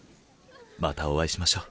またお会いしましょう。